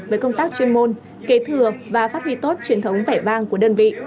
với công tác chuyên môn kế thừa và phát huy tốt truyền thống vẻ vang của đơn vị